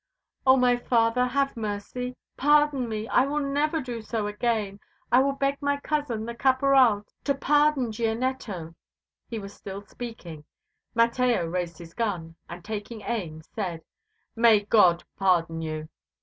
"Oh! my father, have mercy! Pardon me! I will never do so again. I will beg my cousin, the Caporal, to pardon Gianetto." He was still speaking. Mateo raised his gun, and, taking aim, said: "May God pardon you!"